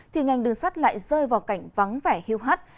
thì ngành đường sắt lại rơi vào cảnh vắng vẻ hiêu hắt